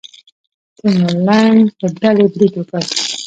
تیمور لنګ په ډیلي برید وکړ.